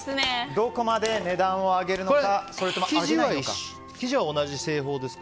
どこまで値段を上げるのか生地は同じ製法ですか？